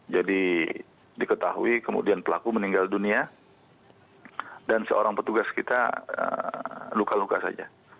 jadi diketahui kemudian pelaku meninggal dunia dan seorang petugas kita luka luka saja